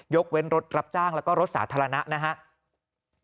เว้นรถรับจ้างแล้วก็รถสาธารณะนะครับ